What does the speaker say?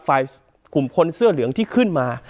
ฝ่ายขุมคนเสื้อเหลืองที่ขึ้นมา